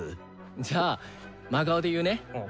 じゃあ真顔で言うね。